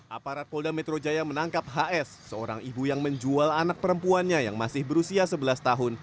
aparat polda metro jaya menangkap hs seorang ibu yang menjual anak perempuannya yang masih berusia sebelas tahun